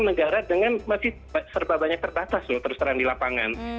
negara dengan masih serba banyak terbatas loh terus terang di lapangan